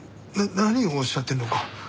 何をおっしゃってるのか。